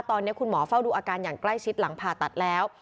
ตอนนี้คุณหมอเฝ้าดูอาการอย่างใกล้ชิดหลังผ่าตัดแล้ว